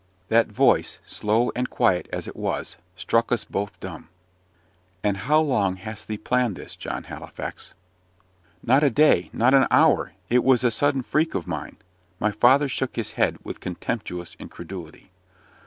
That voice, slow and quiet as it was, struck us both dumb. "And how long hast thee planned this, John Halifax?" "Not a day not an hour! it was a sudden freak of mine." (My father shook his head with contemptuous incredulity.)